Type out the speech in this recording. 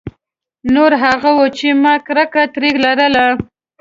نور هغه وو چې ما کرکه ترې لرله.